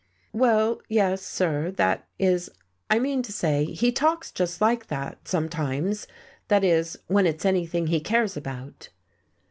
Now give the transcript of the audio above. "Well, yes, sir that is I mean to say he talks just like that, sometimes that is, when it's anything he cares about."